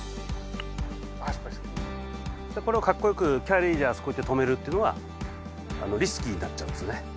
これをかっこよくキャリーであそこいって止めるっていうのがリスキーになっちゃうんですね。